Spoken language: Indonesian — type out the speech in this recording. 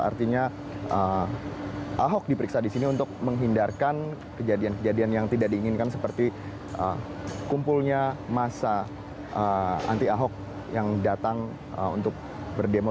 artinya ahok diperiksa di sini untuk menghindarkan kejadian kejadian yang tidak diinginkan seperti kumpulnya masa anti ahok yang datang untuk berdemo